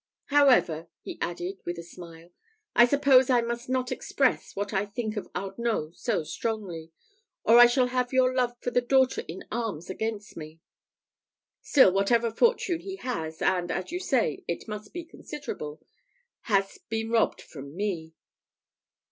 "However," he added, with a smile, "I suppose I must not express what I think of Arnault so strongly, or I shall have your love for the daughter in arms against me. Still, whatever fortune he has, and, as you say, it must be considerable, has been robbed from me."